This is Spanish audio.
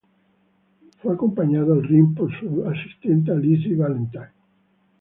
Fue acompañado al ring por su asistenta Lizzy Valentine.